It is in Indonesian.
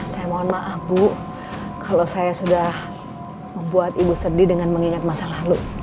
saya mohon maaf bu kalau saya sudah membuat ibu sedih dengan mengingat masa lalu